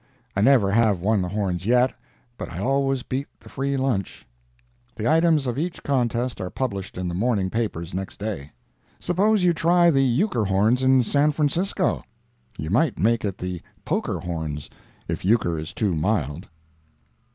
I never have won the horns yet, but I always beat the free lunch. The items of each contest are published in the morning papers next day. Suppose you try the Euchre Horns in San Francisco? You might make it the Poker Horns if Euchre is too mild.